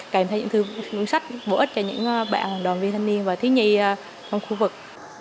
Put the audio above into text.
cảm thấy những thư viện sách vô ích cho những bạn đoàn viên thanh niên và thứ nhi trong khu vực